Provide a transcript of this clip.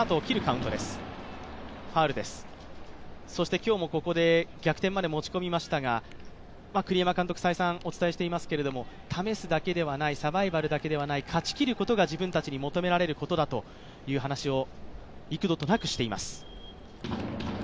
そして今日もここで逆転まで持ち込みましたが、栗山監督、再三お伝えしていますけど、試すだけではないサバイバルだけではない勝ちきることが自分たちに求められることだという話を幾度となくしています。